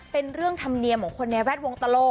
เป็นเรื่องธรรมเนียมของคนในแวดวงตลก